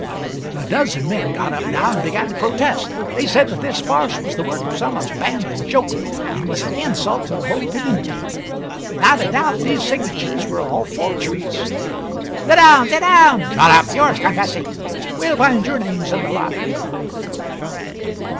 A dozen men got up now and began to protest. They said that this farce was the work of some abandoned joker, and was an insult to the whole community. Without a doubt these signatures were all forgeries "Sit down! sit down! Shut up! You are confessing. We'll find your names in the lot."